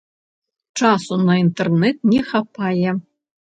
Часу на інтэрнэт не хапае.